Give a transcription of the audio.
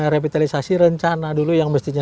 revitalisasi rencana dulu yang mestinya